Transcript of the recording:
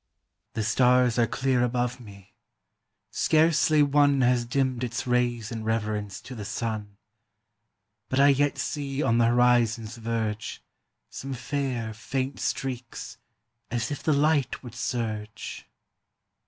"The stars are clear above me; scarcely one Has dimmed its rays in reverence to the sun; But I yet see on the horizon's verge Some fair, faint streaks, as if the light would surge."